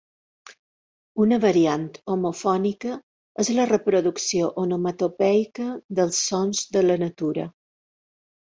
Una variant homofònica és la reproducció onomatopeica dels sons de la natura.